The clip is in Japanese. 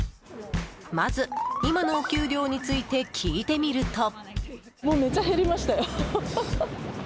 まず、今のお給料について聞いてみると。